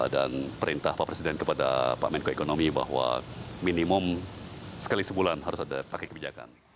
dan perintah pak presiden kepada pak menko ekonomi bahwa minimum sekali sebulan harus ada paket kebijakan